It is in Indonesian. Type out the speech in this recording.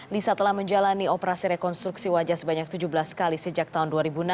lisa telah menjalani operasi rekonstruksi wajah sebanyak tujuh belas kali sejak tahun dua ribu enam